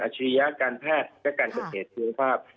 อาชริยการแพทย์และการเกิดเทศคุณภาพ